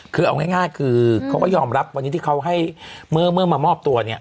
คือเอาง่ายคือเขาก็ยอมรับวันนี้ที่เขาให้เมื่อมามอบตัวเนี่ย